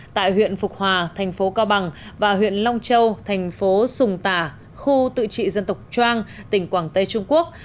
tại huyện phục hòa thành phố cao bằng và huyện long châu thành phố sùng tả khu tự trị dân tộc trang tỉnh quảng tây trung quốc